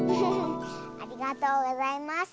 ありがとうございます。